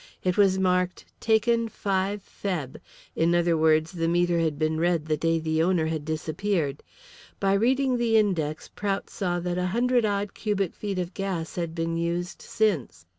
It was marked "taken 5 Feb.," in other words the meter had been read the day the owner had disappeared. By reading the index Prout saw that a hundred odd cubic feet of gas had been used since.